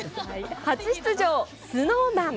初出場ＳｎｏｗＭａｎ。